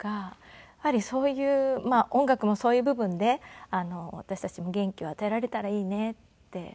やっぱりそういう音楽もそういう部分で私たちも元気を与えられたらいいねって。